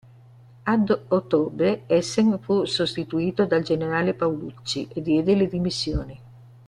Ad ottobre Essen fu sostituito dal generale Paulucci, e diede le dimissioni.